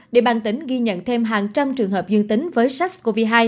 địa bàn tỉnh ghi nhận thêm hàng trăm trường hợp dương tính với sars cov hai